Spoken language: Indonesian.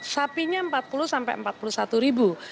sapinya empat puluh sampai empat puluh satu ribu